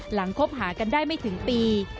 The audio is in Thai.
คบหากันได้ไม่ถึงปี